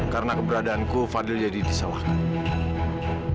karena keberadaanku fadil jadi disalahkan